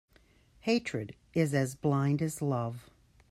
Hatred is as blind as love.